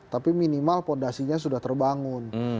tapi minimal fondasinya sudah terbangun